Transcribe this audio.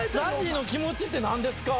ＺＡＺＹの気持ちって何ですか？